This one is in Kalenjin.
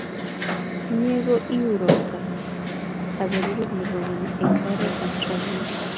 Inye ko iu roptap kaperuret ne roponi eng' mbaret ap chomyet.